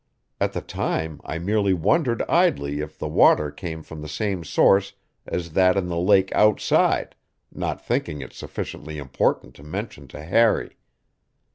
At the time I merely wondered idly if the water came from the same source as that in the lake outside, not thinking it sufficiently important to mention to Harry.